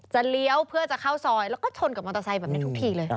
เลี้ยวเพื่อจะเข้าซอยแล้วก็ชนกับมอเตอร์ไซค์แบบนี้ทุกทีเลย